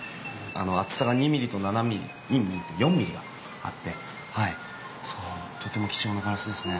厚さが２ミリと７ミリ２ミリと４ミリがあってとても貴重なガラスですね。